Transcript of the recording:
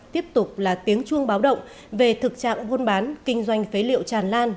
tiếp tục là tiếng chuông báo động về thực trạng buôn bán kinh doanh phế liệu tràn lan